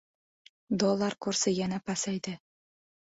Dollar kursi yana pasaydi